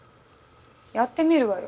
やってみるわよ。